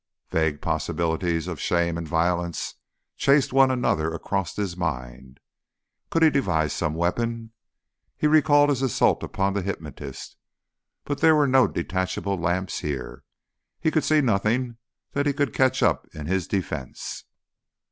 Vague possibilities of shame and violence chased one another across his mind. Could he devise some weapon? He recalled his assault upon the hypnotist, but there were no detachable lamps here. He could see nothing that he could catch up in his defence.